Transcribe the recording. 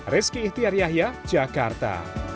rizky ihtiar yahya jakarta